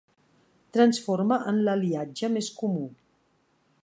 Transforma en l'aliatge més comú.